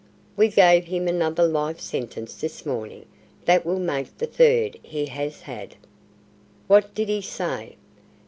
We gave him another life sentence this morning. That will make the third he has had." "What did he say?"